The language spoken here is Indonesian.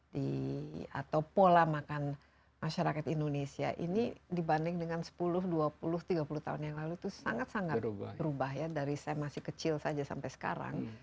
di atau pola makan masyarakat indonesia ini dibanding dengan sepuluh dua puluh tiga puluh tahun yang lalu itu sangat sangat berubah ya dari saya masih kecil saja sampai sekarang